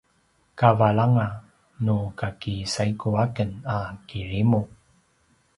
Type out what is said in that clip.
kavalanga nukaki saigu aken a kirimu